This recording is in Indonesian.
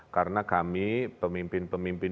karena kami pemimpin pemimpin